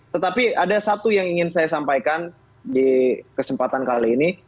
tetapi ada satu yang ingin saya sampaikan di kesempatan kali ini